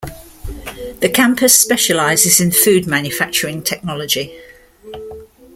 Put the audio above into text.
The campus specialises in food manufacturing technology.